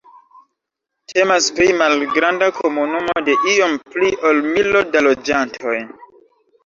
Temas pri malgranda komunumo de iom pli ol milo da loĝantoj.